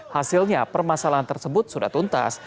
hasilnya permasalahan tersebut sudah tuntas